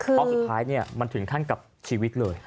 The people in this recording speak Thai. เพราะสุดท้ายมันถึงขั้นกับชีวิตเลย